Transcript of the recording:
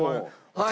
はい。